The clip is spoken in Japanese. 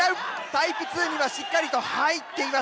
タイプ２にはしっかりと入っています。